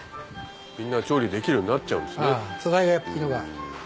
みんな調理できるようになっちゃうんですね。